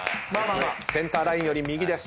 センターラインより右です。